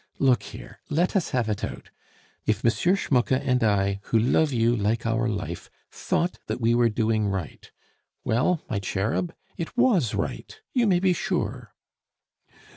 Look here, let us have it out! If M. Schmucke and I, who love you like our life, thought that we were doing right well, my cherub, it was right, you may be sure."